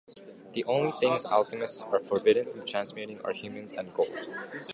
The only things Alchemists are forbidden from transmuting are humans and gold.